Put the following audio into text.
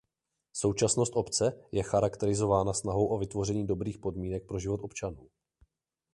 Současnost obce je charakterizována snahou o vytvoření dobrých podmínek pro život občanů.